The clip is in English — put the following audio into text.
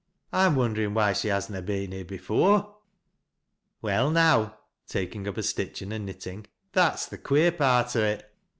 I'm wonderin' why she haa na been here afore." " Well now !' iaking up a stitch in her knitting, " that's th' queer part o' it.